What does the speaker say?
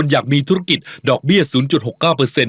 แต่ถ้าพ่อคิดว่าหนูไม่อยากเป็น